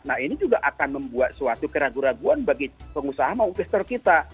nah ini juga akan membuat suatu keraguan keraguan bagi pengusaha maupun investor kita